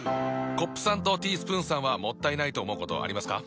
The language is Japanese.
コップさんとティースプーンさんはもったいないと思うことありますか？